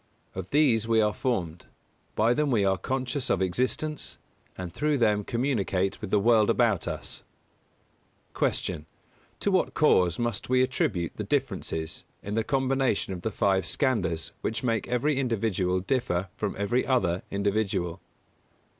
Of these we are formed; by them we are conscious of existence; and through them communicate with the world about us. 237. Q. _To what cause must we attribute the differences in the combination of the five Skandhas which make every individual differ from every other individual?